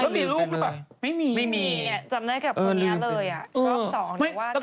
ไม่มีลูกหรือเปล่าไม่มีไม่มีจำได้กับคุณเนี่ยเลยอ่ะรอบ๒เดี๋ยวว่ากัน